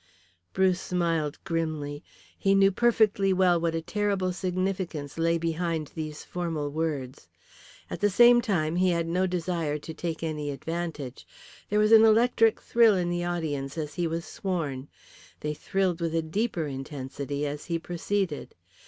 Bruce smiled grimly. He knew perfectly well what a terrible significance lay behind these formal words. At the same time, he had no desire to take any advantage. There was an electric thrill in the audience as he was sworn. They thrilled with a deeper intensity as he proceeded.